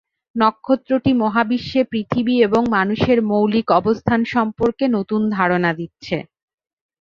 নক্ষত্রটি মহাবিশ্বে পৃথিবী এবং মানুষের মৌলিক অবস্থান সম্পর্কে নতুন ধারণা দিচ্ছে।